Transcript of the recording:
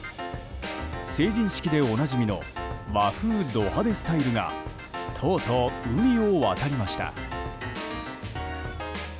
成人式でおなじみの和風ド派手スタイルがとうとう海を渡りました。